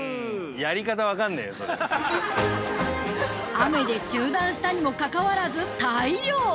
◆雨で中断したにもかかわらず、大漁！